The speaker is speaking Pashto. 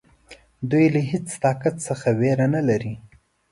دوی له هیڅ طاقت څخه وېره نه لري.